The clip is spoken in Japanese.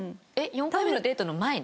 ４回目のデートの前に？